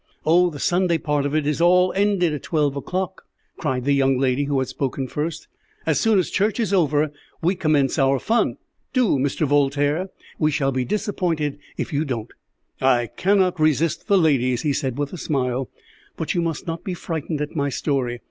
"Oh, the Sunday part of it is all ended at twelve o'clock," cried the young lady who had spoken first. "As soon as church is over we commence our fun. Do, Mr. Voltaire; we shall be disappointed if you don't." "I cannot resist the ladies," he said, with a smile, "but you must not be frightened at my story.